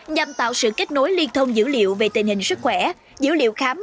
nhằm tạo sự kết nối liên thông dữ liệu về tình hình sức khỏe dữ liệu khám